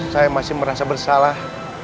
saya masih merasa bersalah